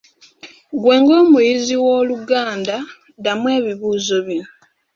Ggwe ng'omuyizi w'Oluganda ddamu ebibuzo bino.